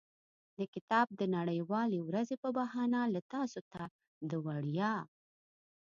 د کتاب د نړیوالې ورځې په بهانه له تاسو ته د وړیا.